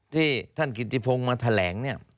ที่ท่านกิติพงศ์มาแถลงเนี่ย